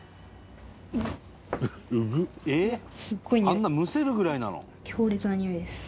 「あんなむせるぐらいなの？」